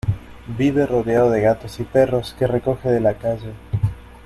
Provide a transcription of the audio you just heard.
Vive rodeado de gatos y perros que recoge de la calle.